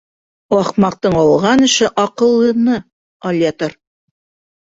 Ахмаҡтың алған эше аҡыллыны алъятыр.